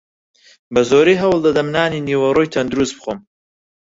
بەزۆری هەوڵدەدەم نانی نیوەڕۆی تەندروست بخۆم.